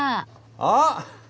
あっ！